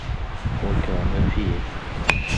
وَكَانَ فِيهِ